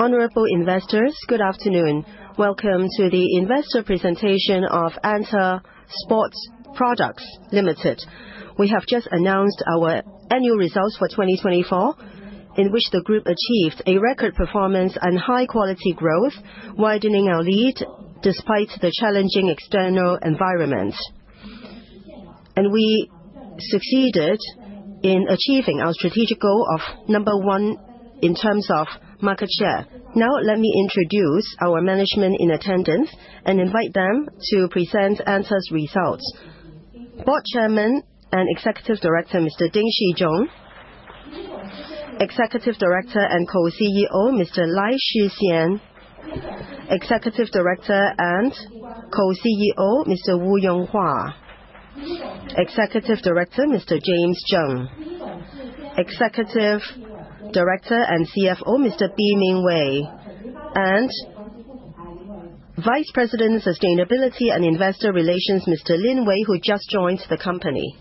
Honorable investors, good afternoon. Welcome to the investor presentation of ANTA Sports Products Ltd. We have just announced our annual results for 2024, in which the group achieved a record performance and high-quality growth, widening our lead despite the challenging external environment. We succeeded in achieving our strategic goal of number one in terms of market share. Now, let me introduce our management in attendance and invite them to present ANTA's results. Board Chairman and Executive Director, Mr. Ding Shizhong; Executive Director and Co-CEO, Mr. Lai Shixian; Executive Director and Co-CEO, Mr. Wu Yonghua; Executive Director, Mr. Zheng Jie; Executive Director and CFO, Mr. Bi Mingwei; and Vice President, Sustainability and Investor Relations, Mr. Lin Wei, who just joined the company.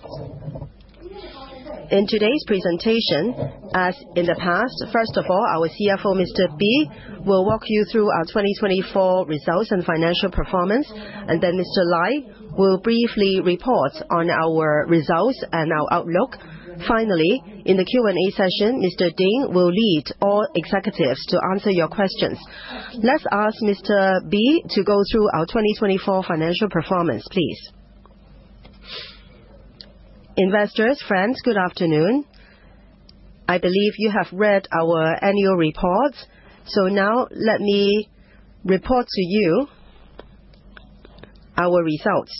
In today's presentation, as in the past, first of all, our CFO, Mr. Bi, will walk you through our 2024 results and financial performance, and then Mr. Lai will briefly report on our results and our outlook. Finally, in the Q&A session, Mr. Ding will lead all executives to answer your questions. Let's ask Mr. Bi to go through our 2024 financial performance, please. Investors, friends, good afternoon. I believe you have read our annual reports, so now let me report to you our results.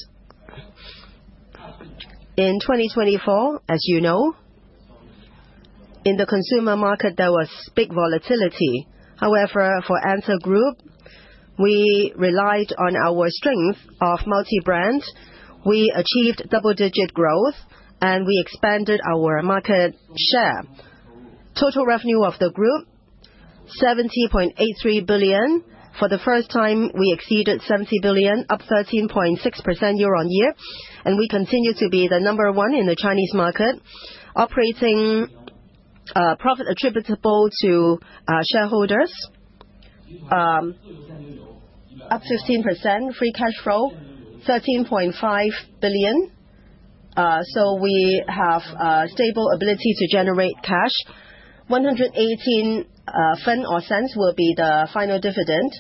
In 2024, as you know, in the consumer market, there was big volatility. However, for ANTA Group, we relied on our strength of multi-brands. We achieved double-digit growth, and we expanded our market share. Total revenue of the group: 70.83 billion. For the first time, we exceeded 70 billion, up 13.6% year-on-year, and we continue to be the number one in the Chinese market, operating profit attributable to shareholders, up 15%. Free cash flow: 13.5 billion. We have a stable ability to generate cash. 1.18 will be the final dividend,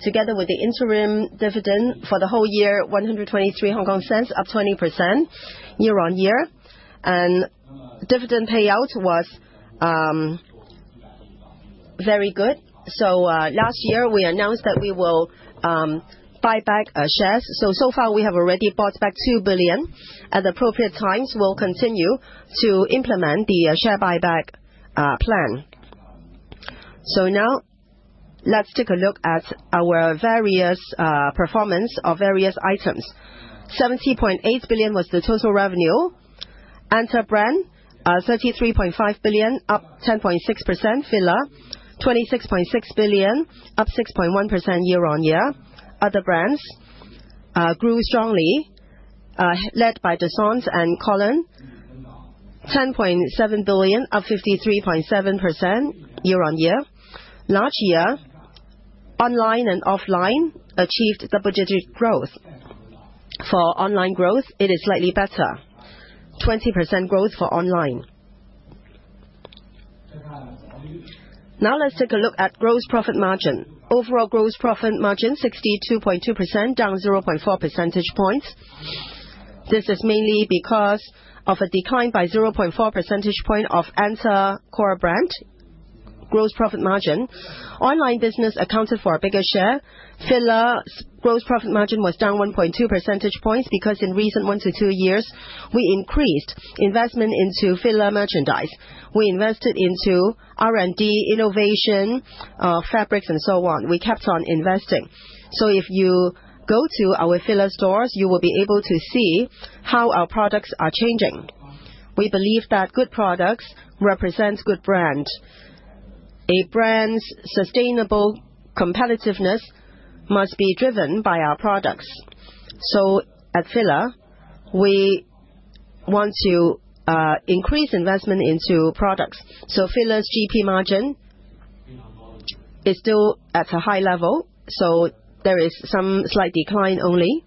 together with the interim dividend for the whole year: HKD 1.23, up 20% year-on-year. Dividend payout was very good. Last year, we announced that we will buy back shares. So far, we have already bought back 2 billion. At appropriate times, we will continue to implement the share buyback plan. Now, let's take a look at our various performance of various items. 70.8 billion was the total revenue. ANTA brand, 33.5 billion, up 10.6%. FILA, 26.6 billion, up 6.1% year-on-year. Other brands grew strongly, led by DESCENTE and KOLON, 10.7 billion, up 53.7% year-on-year. Last year, online and offline achieved double-digit growth. For online growth, it is slightly better, 20% growth for online. Now let's take a look at gross profit margin. Overall gross profit margin: 62.2%, down 0.4 percentage points. This is mainly because of a decline by 0.4 percentage points of ANTA core brand gross profit margin. Online business accounted for a bigger share. FILA gross profit margin was down 1.2 percentage points because in recent one to two years, we increased investment into FILA merchandise. We invested into R&D, innovation, fabrics, and so on. We kept on investing. If you go to our FILA stores, you will be able to see how our products are changing. We believe that good products represent good brands. A brand's sustainable competitiveness must be driven by our products. At FILA, we want to increase investment into products. FILA's GP margin is still at a high level, so there is some slight decline only.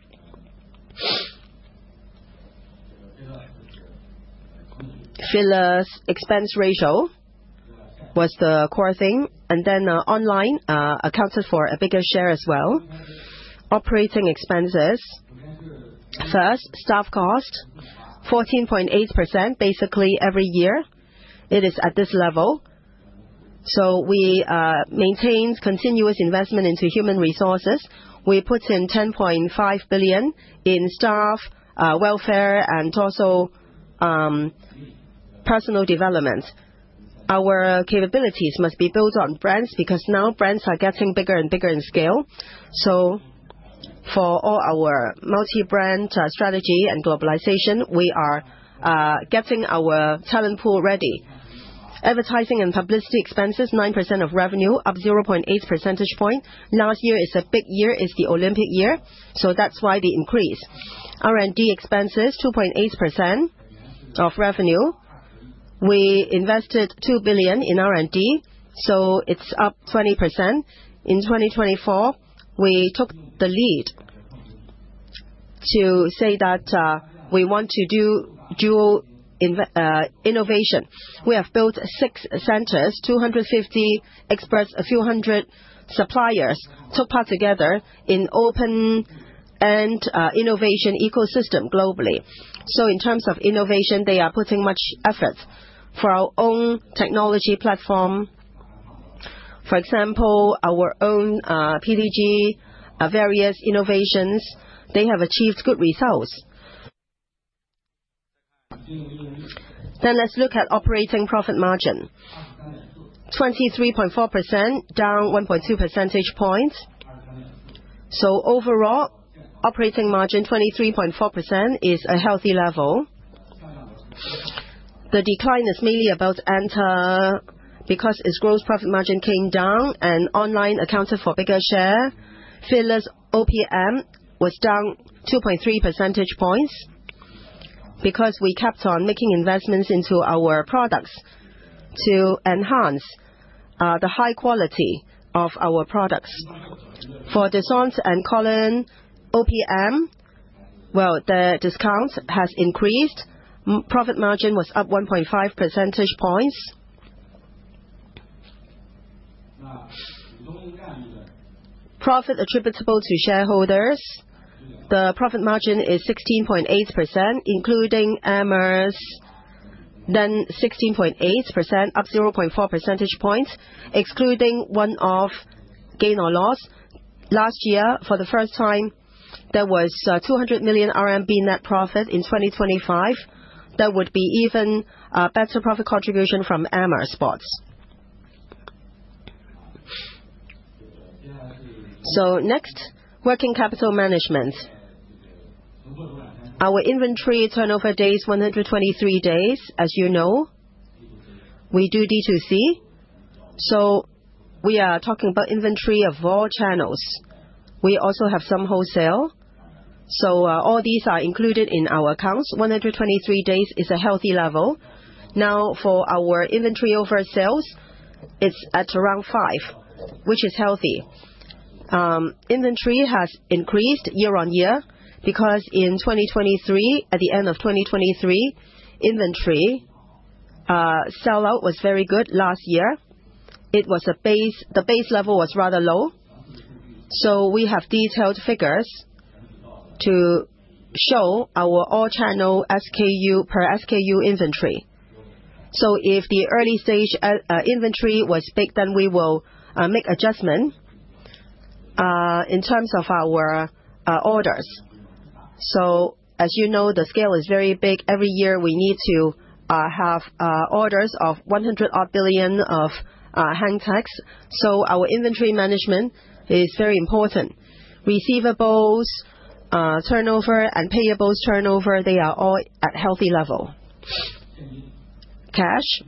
FILA's expense ratio was the core thing, and then online accounted for a bigger share as well. Operating expenses, first, staff cost: 14.8%. Basically, every year, it is at this level. We maintain continuous investment into human resources. We put in 10.5 billion in staff, welfare, and also personal development. Our capabilities must be built on brands because now brands are getting bigger and bigger in scale. For all our multi-brand strategy and globalization, we are getting our talent pool ready. Advertising and publicity expenses: 9% of revenue, up 0.8 percentage points. Last year is a big year; it is the Olympic year, so that is why the increase. R&D expenses: 2.8% of revenue. We invested 2 billion in R&D, so it is up 20%. In 2024, we took the lead to say that we want to do dual innovation. We have built six centers: 250 experts, a few hundred suppliers, took part together in open-end innovation ecosystem globally. In terms of innovation, they are putting much effort. For our own technology platform, for example, our own [PDG], various innovations, they have achieved good results. Let's look at operating profit margin: 23.4%, down 1.2 percentage points. Overall, operating margin 23.4% is a healthy level. The decline is mainly about ANTA because its gross profit margin came down and online accounted for a bigger share. FILA's OPM was down 2.3 percentage points because we kept on making investments into our products to enhance the high quality of our products. For DESCENTE and KOLON OPM, the discount has increased. Profit margin was up 1.5 percentage points. Profit attributable to shareholders, the profit margin is 16.8%, including Amer Sports, then 16.8%, up 0.4 percentage points, excluding one-off gain or loss. Last year, for the first time, there was 200 million RMB net profit. In 2025, that would be even a better profit contribution from Amer Sports. Next, working capital management. Our inventory turnover days: 123 days, as you know. We do D2C, so we are talking about inventory of all channels. We also have some wholesale, so all these are included in our accounts. 123 days is a healthy level. Now, for our inventory over sales, it's at around five, which is healthy. Inventory has increased year-on-year because in 2023, at the end of 2023, inventory sellout was very good last year. It was a base; the base level was rather low. We have detailed figures to show our all-channel SKU per SKU inventory. If the early-stage inventory was big, then we will make adjustments in terms of our orders. As you know, the scale is very big. Every year, we need to have orders of 100 billion. Our inventory management is very important. Receivables turnover and payables turnover, they are all at a healthy level. Cash,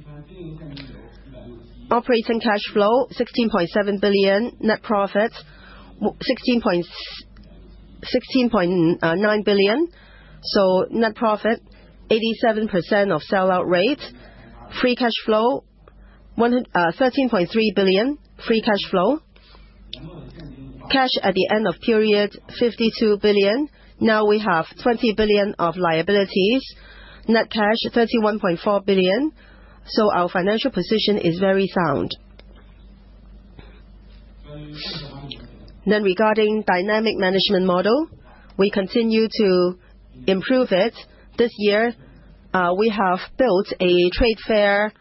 operating cash flow: 16.7 billion. Net profit: 16.9 billion. Net profit: 87% of sellout rate. Free cash flow: 13.3 billion. Free cash flow. Cash at the end of period: 52 billion. Now we have 20 billion of liabilities. Net cash: 31.4 billion. Our financial position is very sound. Regarding dynamic management model, we continue to improve it. This year, we have built a trade fair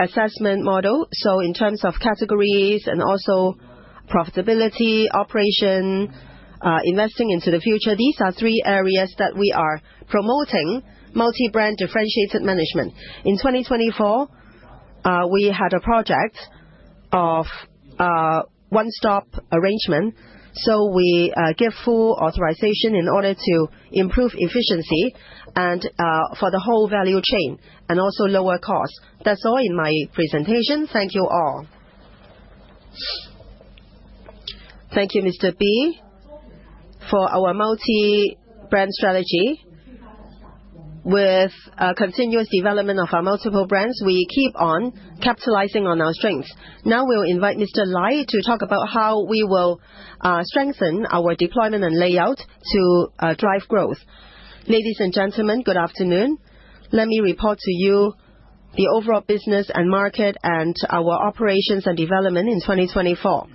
assessment model. In terms of categories and also profitability, operation, investing into the future, these are three areas that we are promoting: multi-brand differentiated management. In 2024, we had a project of one-stop arrangement. We give full authorization in order to improve efficiency and for the whole value chain and also lower cost. That's all in my presentation. Thank you all. Thank you, Mr. Bi, for our multi-brand strategy. With continuous development of our multiple brands, we keep on capitalizing on our strengths. Now we will invite Mr. Lai to talk about how we will strengthen our deployment and layout to drive growth. Ladies and gentlemen, good afternoon. Let me report to you the overall business and market and our operations and development in 2024.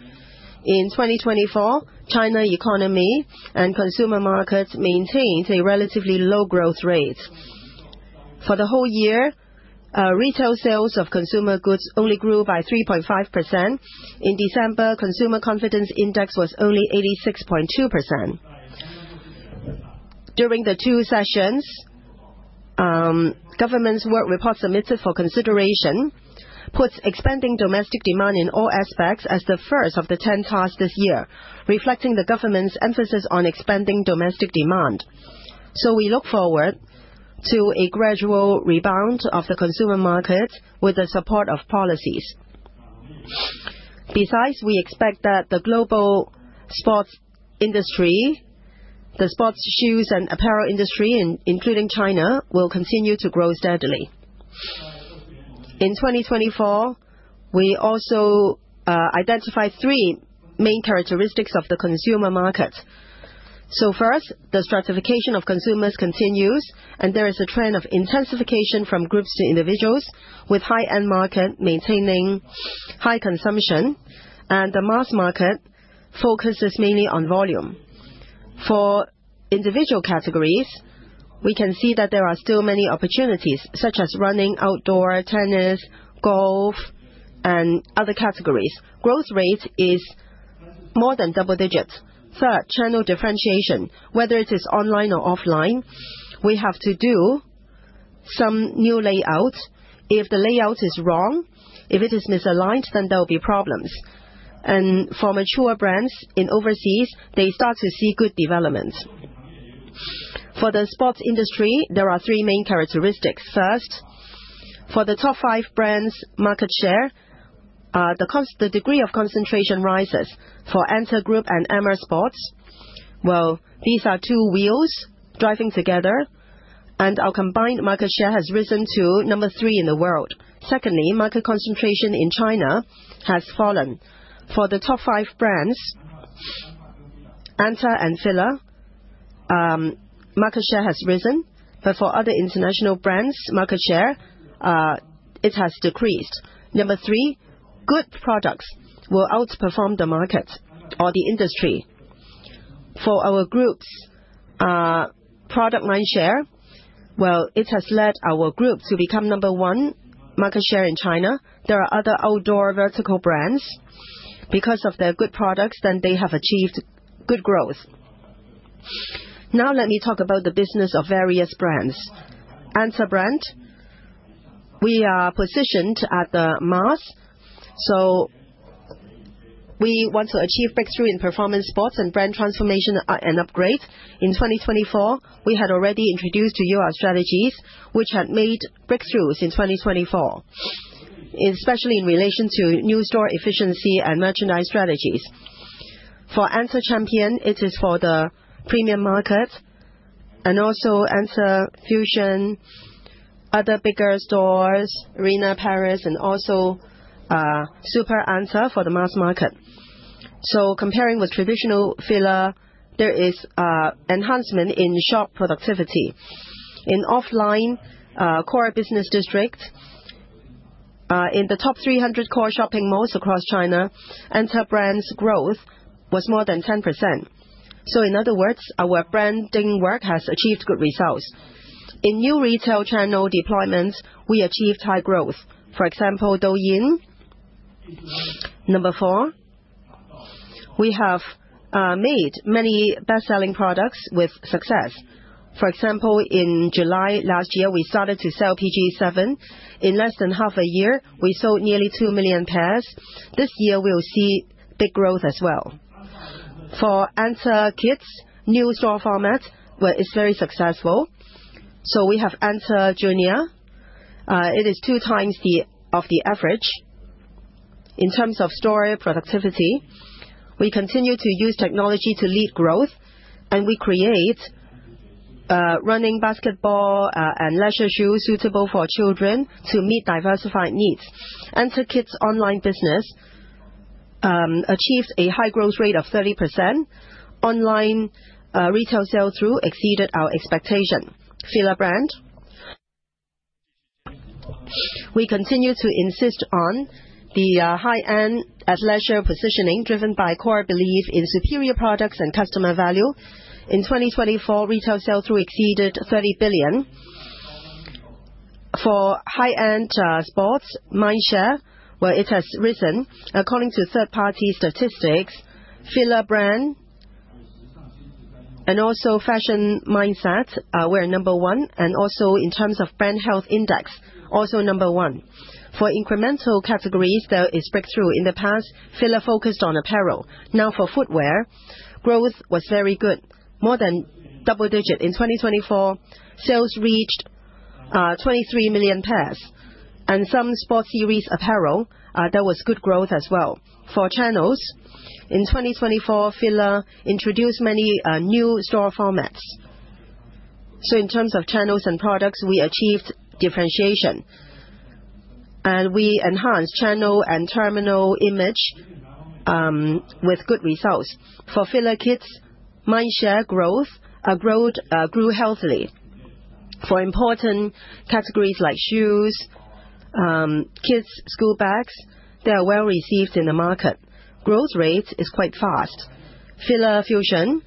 In 2024, China economy and consumer markets maintained a relatively low growth rate. For the whole year, retail sales of consumer goods only grew by 3.5%. In December, consumer confidence index was only 86.2%. During the two sessions, government's work report submitted for consideration puts expanding domestic demand in all aspects as the first of the 10 tasks this year, reflecting the government's emphasis on expanding domestic demand. We look forward to a gradual rebound of the consumer markets with the support of policies. Besides, we expect that the global sports industry, the sports shoes and apparel industry, including China, will continue to grow steadily. In 2024, we also identified three main characteristics of the consumer markets. First, the stratification of consumers continues, and there is a trend of intensification from groups to individuals, with high-end markets maintaining high consumption, and the mass market focuses mainly on volume. For individual categories, we can see that there are still many opportunities, such as running, outdoor, tennis, golf, and other categories. Growth rate is more than double digits. Third, channel differentiation. Whether it is online or offline, we have to do some new layouts. If the layout is wrong, if it is misaligned, then there will be problems. For mature brands in overseas, they start to see good developments. For the sports industry, there are three main characteristics. First, for the top five brands' market share, the degree of concentration rises. For ANTA Group and Amer Sports, well, these are two wheels driving together, and our combined market share has risen to number three in the world. Secondly, market concentration in China has fallen. For the top five brands, ANTA and FILA, market share has risen, but for other international brands, market share, it has decreased. Number three, good products will outperform the market or the industry. For our group's product line share, well, it has led our group to become number one market share in China. There are other outdoor vertical brands. Because of their good products, then they have achieved good growth. Now let me talk about the business of various brands. ANTA brand, we are positioned at the mass, so we want to achieve breakthrough in performance sports and brand transformation and upgrades. In 2024, we had already introduced to you our strategies, which had made breakthroughs in 2024, especially in relation to new store efficiency and merchandise strategies. For ANTA Champion, it is for the premium market, and also ANTA Fusion, other bigger stores, ANTA Arena, and also Super ANTA for the mass market. Comparing with traditional FILA, there is enhancement in shop productivity. In offline core business districts, in the top 300 core shopping malls across China, ANTA brand's growth was more than 10%. In other words, our branding work has achieved good results. In new retail channel deployments, we achieved high growth. For example, Douyin, number four, we have made many best-selling products with success. For example, in July last year, we started to sell PG7. In less than half a year, we sold nearly 2 million pairs. This year, we'll see big growth as well. For ANTA Kids, new store format, it is very successful. We have ANTA Junior. It is two times the average. In terms of store productivity, we continue to use technology to lead growth, and we create running, basketball, and leisure shoes suitable for children to meet diversified needs. ANTA Kids online business achieved a high growth rate of 30%. Online retail sell-through exceeded our expectation. FILA brand, we continue to insist on the high-end at leisure positioning driven by core belief in superior products and customer value. In 2024, retail sell-through exceeded 30 billion. For high-end sports, mind share has risen. According to third-party statistics, FILA brand and also fashion mindset were number one, and also in terms of brand health index, also number one. For incremental categories, there is breakthrough. In the past, FILA focused on apparel. Now for footwear, growth was very good, more than double digit. In 2024, sales reached 23 million pairs, and some sports series apparel, there was good growth as well. For channels, in 2024, FILA introduced many new store formats. In terms of channels and products, we achieved differentiation, and we enhanced channel and terminal image with good results. For FILA Kids, mind share growth grew healthily. For important categories like shoes, kids, school bags, they are well received in the market. Growth rate is quite fast. FILA Fusion,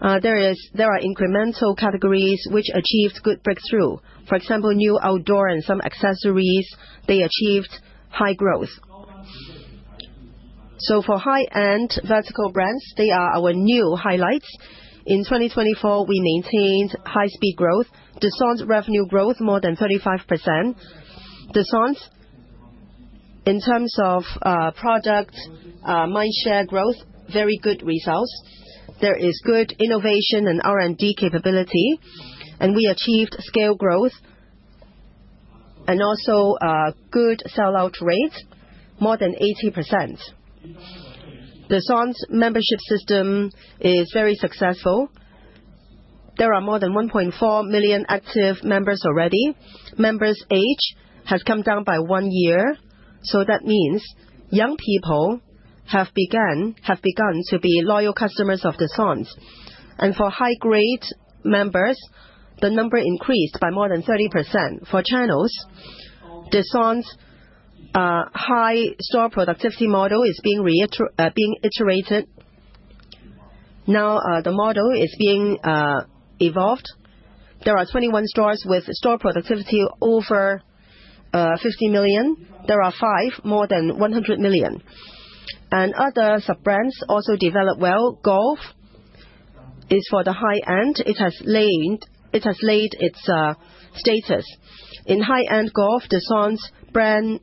there are incremental categories which achieved good breakthrough. For example, new outdoor and some accessories, they achieved high growth. For high-end vertical brands, they are our new highlights. In 2024, we maintained high-speed growth. DESCENTE revenue growth more than 35%. DESCENTE, in terms of product mind share growth, very good results. There is good innovation and R&D capability, and we achieved scale growth and also good sellout rate, more than 80%. DESCENTE's membership system is very successful. There are more than 1.4 million active members already. Members' age has come down by one year. That means young people have begun to be loyal customers of DESCENTE. For high-grade members, the number increased by more than 30%. For channels, DESCENTE's high store productivity model is being iterated. Now the model is being evolved. There are 21 stores with store productivity over 50 million. There are five, more than 100 million. Other sub-brands also develop well. Golf is for the high-end. It has laid its status. In high-end golf, DESCENTE's brand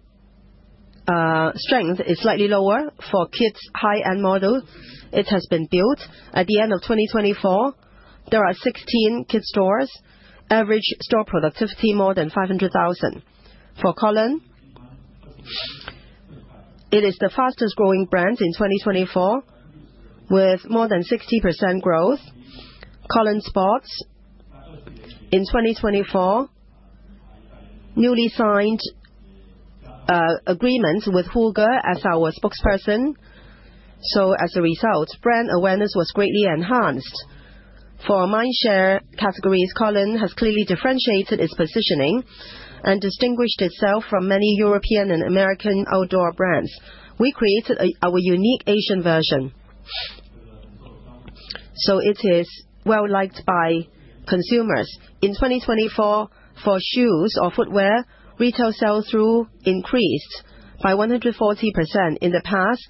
strength is slightly lower for kids' high-end model. It has been built. At the end of 2024, there are 16 kids' stores. Average store productivity more than 500,000. For KOLON, it is the fastest-growing brand in 2024 with more than 60% growth. KOLON SPORT, in 2024, newly signed agreements with Hu Ge as our spokesperson. As a result, brand awareness was greatly enhanced. For mind share categories, KOLON has clearly differentiated its positioning and distinguished itself from many European and American outdoor brands. We created our unique Asian version. It is well-liked by consumers. In 2024, for shoes or footwear, retail sell-through increased by 140%. In the past,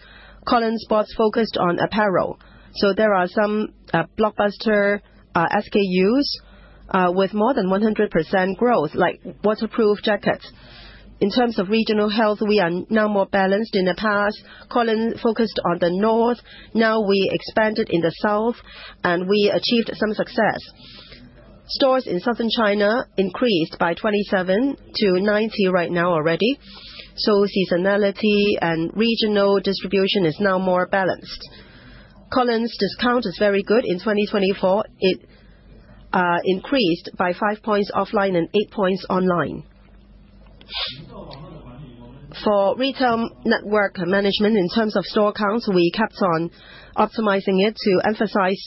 KOLON SPORT focused on apparel. There are some blockbuster SKUs with more than 100% growth, like waterproof jackets. In terms of regional health, we are now more balanced than in the past. KOLON focused on the north. Now we expanded in the south, and we achieved some success. Stores in southern China increased by 27 to 90 right now already. Seasonality and regional distribution is now more balanced. KOLON’s discount is very good. In 2024, it increased by 5 percentage points offline and 8 percentage points online. For retail network management, in terms of store counts, we kept on optimizing it to emphasize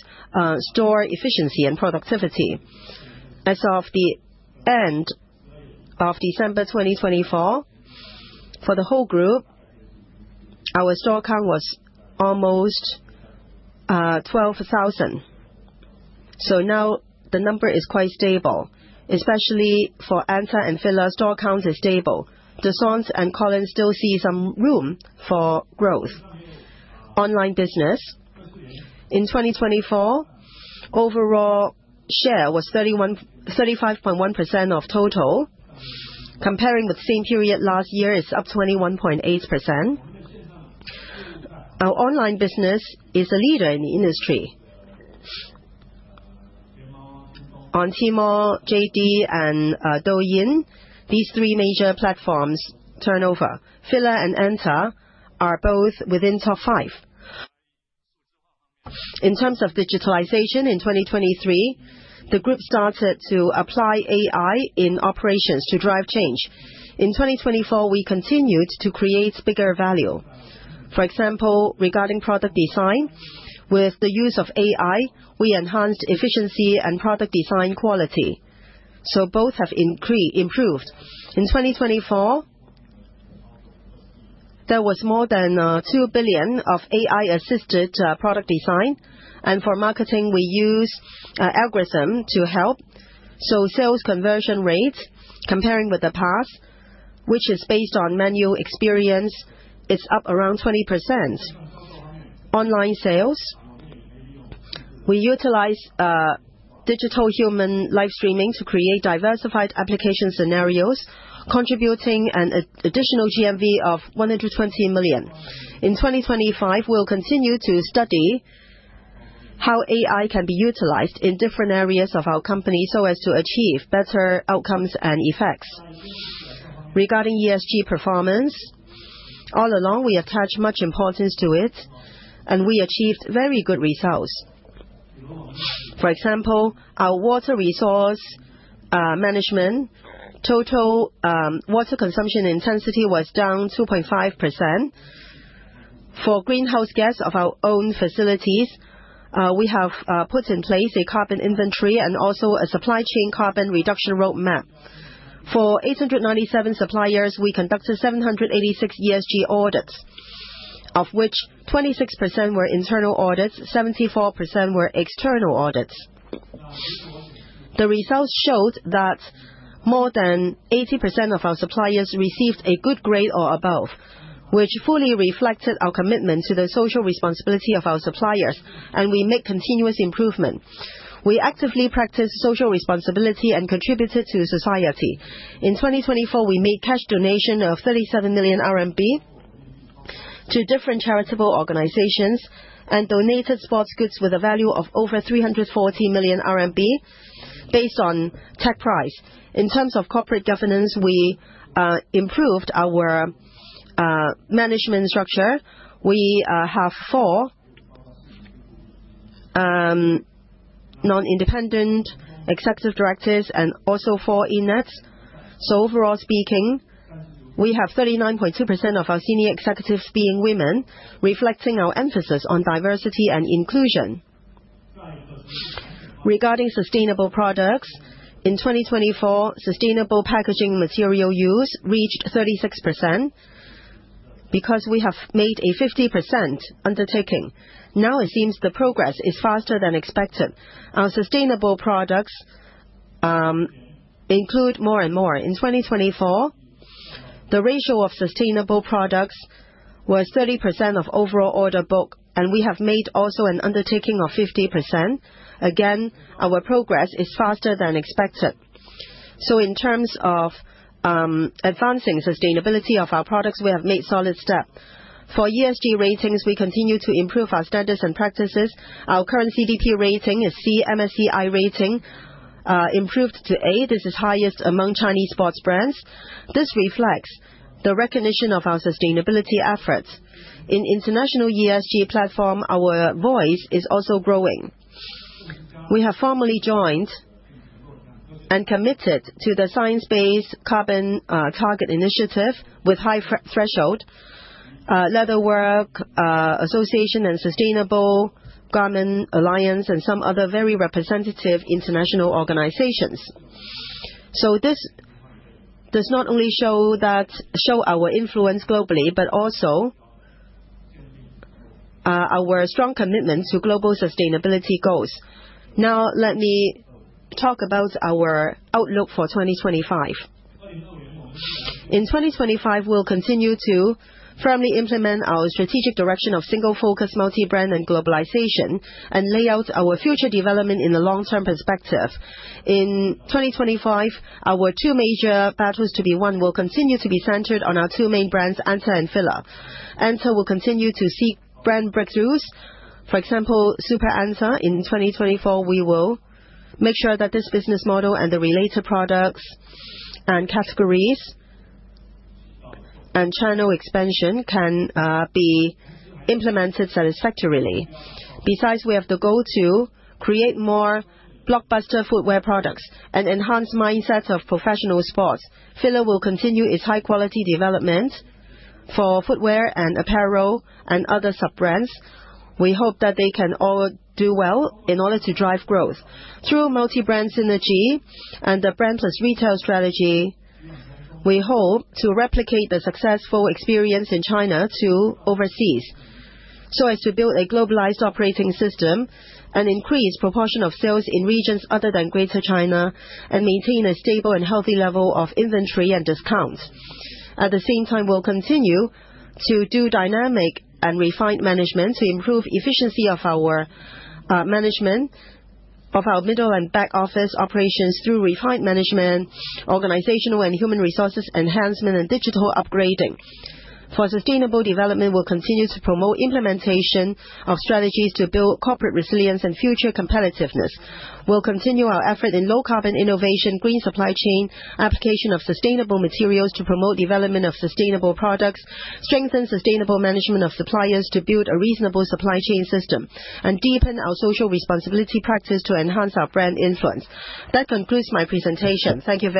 store efficiency and productivity. As of the end of December 2024, for the whole group, our store count was almost 12,000. Now the number is quite stable, especially for ANTA and FILA. Store counts are stable. DESCENTE and KOLON still see some room for growth. Online business, in 2024, overall share was 35.1% of total. Comparing with the same period last year, it is up 21.8%. Our online business is a leader in the industry. On Tmall, JD, and Douyin, these three major platforms turnover. FILA and ANTA are both within top five. In terms of digitalization, in 2023, the group started to apply AI in operations to drive change. In 2024, we continued to create bigger value. For example, regarding product design, with the use of AI, we enhanced efficiency and product design quality. Both have improved. In 2024, there was more than 2 billion of AI-assisted product design. For marketing, we use algorithms to help. Sales conversion rate, comparing with the past, which is based on manual experience, is up around 20%. Online sales, we utilize digital human live streaming to create diversified application scenarios, contributing an additional GMV of 120 million. In 2025, we will continue to study how AI can be utilized in different areas of our company so as to achieve better outcomes and effects. Regarding ESG performance, all along, we attached much importance to it, and we achieved very good results. For example, our water resource management total water consumption intensity was down 2.5%. For greenhouse gas of our own facilities, we have put in place a carbon inventory and also a supply chain carbon reduction roadmap. For 897 suppliers, we conducted 786 ESG audits, of which 26% were internal audits, 74% were external audits. The results showed that more than 80% of our suppliers received a good grade or above, which fully reflected our commitment to the social responsibility of our suppliers, and we make continuous improvements. We actively practice social responsibility and contributed to society. In 2024, we made cash donations of 37 million RMB to different charitable organizations and donated sports goods with a value of over 340 million RMB based on tag price. In terms of corporate governance, we improved our management structure. We have four non-independent executive directors and also four INEDs. Overall speaking, we have 39.2% of our senior executives being women, reflecting our emphasis on diversity and inclusion. Regarding sustainable products, in 2024, sustainable packaging material use reached 36% because we have made a 50% undertaking. Now it seems the progress is faster than expected. Our sustainable products include more and more. In 2024, the ratio of sustainable products was 30% of overall order book, and we have made also an undertaking of 50%. Again, our progress is faster than expected. In terms of advancing sustainability of our products, we have made solid steps. For ESG ratings, we continue to improve our standards and practices. Our current CDP rating is MSCI rating, improved to A. This is highest among Chinese sports brands. This reflects the recognition of our sustainability efforts. In international ESG platform, our voice is also growing. We have formally joined and committed to the Science Based Targets initiative with high threshold, Leather Working Group and Sustainable Apparel Coalition, and some other very representative international organizations. This does not only show our influence globally, but also our strong commitment to global sustainability goals. Now, let me talk about our outlook for 2025. In 2025, we'll continue to firmly implement our strategic direction of single-focus multi-brand and globalization and lay out our future development in a long-term perspective. In 2025, our two major battles to be won will continue to be centered on our two main brands, ANTA and FILA. ANTA will continue to seek brand breakthroughs. For example, Super ANTA, in 2024, we will make sure that this business model and the related products and categories and channel expansion can be implemented satisfactorily. Besides, we have the goal to create more blockbuster footwear products and enhance mindsets of professional sports. FILA will continue its high-quality development for footwear and apparel and other sub-brands. We hope that they can all do well in order to drive growth. Through multi-brand synergy and the brand-led retail strategy, we hope to replicate the successful experience in China to overseas so as to build a globalized operating system and increase the proportion of sales in regions other than Greater China and maintain a stable and healthy level of inventory and discounts. At the same time, we'll continue to do dynamic and refined management to improve the efficiency of our management of our middle and back office operations through refined management, organizational and human resources enhancement, and digital upgrading. For sustainable development, we'll continue to promote the implementation of strategies to build corporate resilience and future competitiveness. We'll continue our effort in low-carbon innovation, green supply chain, application of sustainable materials to promote the development of sustainable products, strengthen sustainable management of suppliers to build a reasonable supply chain system, and deepen our social responsibility practice to enhance our brand influence. That concludes my presentation. Thank you.